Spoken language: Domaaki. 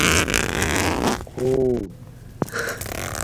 خݸں